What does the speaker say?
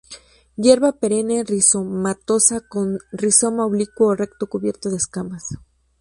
Hierba perenne rizomatosa, con rizoma oblicuo o erecto cubierto de escamas.